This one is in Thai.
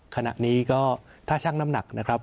ขณะนี้ก็ถ้าช่างน้ำหนัก